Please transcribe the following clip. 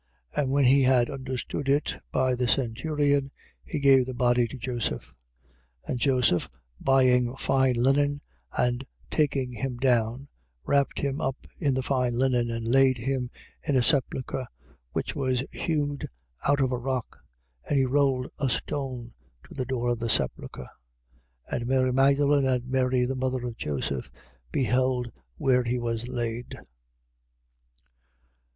15:45. And when he had understood it by the centurion, he gave the body to Joseph. 15:46. And Joseph, buying fine linen and taking him down, wrapped him up in the fine linen and laid him in a sepulchre which was hewed out of a rock. And he rolled a stone to the door of the sepulchre. 15:47. And Mary Magdalen and Mary the mother of Joseph, beheld where he was laid.